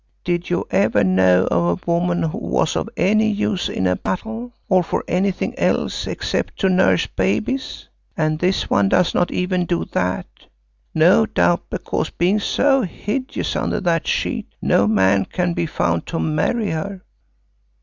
Did you ever know of a woman who was of any use in a battle, or for anything else except to nurse babies, and this one does not even do that, no doubt because being so hideous under that sheet, no man can be found to marry her."